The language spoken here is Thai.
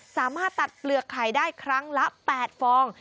สามารถตัดเปลือกไข่ได้ครั้งละ๘ฟอง